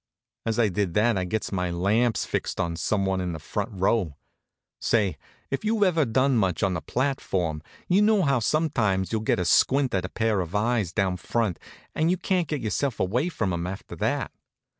As I did that I gets my lamps fixed on some one in the front row. Say, if you've ever done much on the platform, you know how sometimes you'll get a squint at a pair of eyes down front and can't get yourself away from 'em after that.